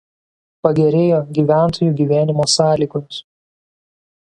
Pagerėjo gyventojų gyvenimo sąlygos.